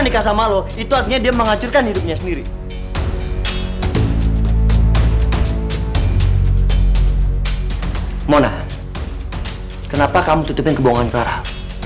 merasa malu itu artinya dia menghancurkan hidupnya sendiri mona kenapa kamu tutupin kebohongan parah